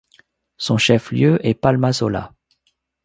Son chef-lieu est Palmasola.